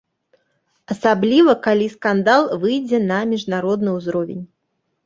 Асабліва калі скандал выйдзе на міжнародны ўзровень.